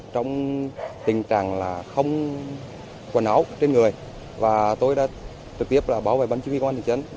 trong tình trạng là không quần áo trên người và tôi đã trực tiếp bảo vệ bản chứng viên quản lý nhân dân